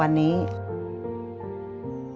หาทีวีไปซ่อมขายเอามาขาย